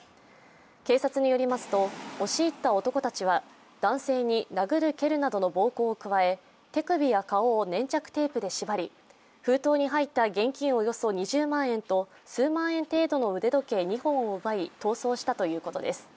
警察によりますと押し入った男たちは男性に殴る蹴るなどの暴行を加え手首や顔を粘着テープで縛り封筒に入った現金およそ２０万円と数万円程度の腕時計２本を奪い逃走したということです。